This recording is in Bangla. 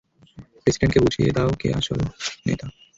প্রেসিডেন্টকে বুঝিয়ে দাও কে আসল নেতা।